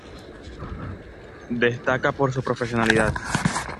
Destaca por su profesionalidad.